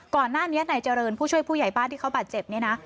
ก่อนหน้านี้นายเจริญผู้ช่วยผู้ใหญ่บ้านที่เขาบาดเจ็บเนี่ยนะ